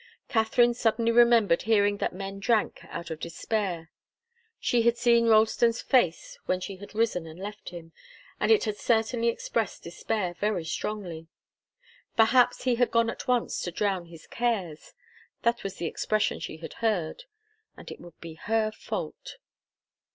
Katharine suddenly remembered hearing that men drank out of despair. She had seen Ralston's face when she had risen and left him, and it had certainly expressed despair very strongly. Perhaps he had gone at once to drown his cares that was the expression she had heard and it would be her fault.